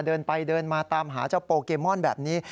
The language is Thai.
เดินไปเดินมาตามหาเจ้าโปเกมอนแบบนี้